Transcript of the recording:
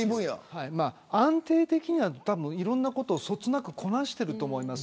安定的には、いろんなことをそつなくこなしていると思います。